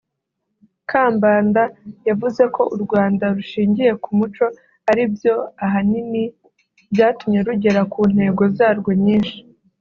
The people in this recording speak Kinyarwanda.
Kambanda Jeanine yavuze ko u Rwanda rushingiye ku muco ari byo ahanini byatumye rugera ku ntego zarwo nyinshi